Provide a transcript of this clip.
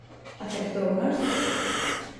¿Aceptounas?